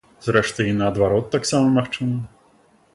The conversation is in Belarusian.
Зрэшты, і наадварот таксама магчыма.